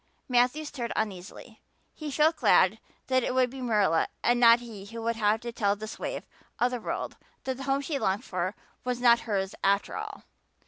Matthew stirred uneasily. He felt glad that it would be Marilla and not he who would have to tell this waif of the world that the home she longed for was not to be hers after all.